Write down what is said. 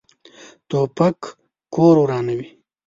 توپک کور ورانوي.